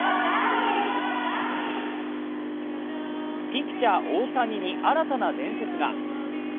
ピッチャー・大谷に新たな伝説が。